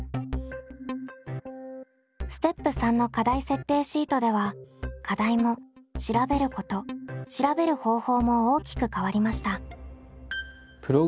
ステップ３の課題設定シートでは課題も調べること調べる方法も大きく変わりました。